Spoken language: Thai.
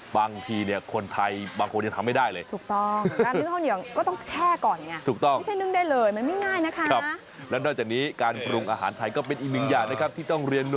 บางทีคนไทยบางคนยังทำไม่ได้เลย